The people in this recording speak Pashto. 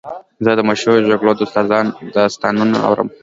زه د مشهورو جګړو داستانونه اورم.